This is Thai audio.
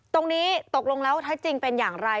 ตรงนี้ตกลงแล้วถ้าจริงเป็นอย่างไร